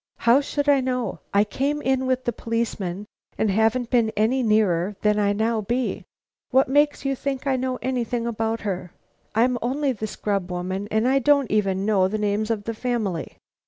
"How should I know? I came in with the policeman and haven't been any nearer than I now be. What makes you think I know anything about her? I'm only the scrub woman, and don't even know the names of the family."